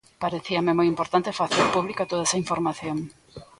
Parecíame moi importante facer pública toda esa información.